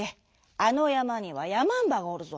あのやまにはやまんばがおるぞ。